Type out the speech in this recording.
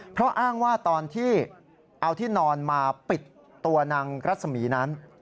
เพราะอ้างว่าตอนที่เอาที่นอนมาปิดตัวนางรัศมีนั้น